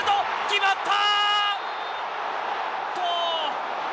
決まった！